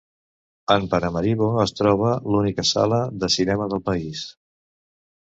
En Paramaribo es troba l'única sala de cinema del país.